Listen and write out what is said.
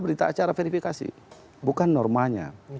berita acara verifikasi bukan normanya